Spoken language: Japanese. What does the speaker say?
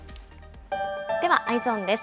では、Ｅｙｅｓｏｎです。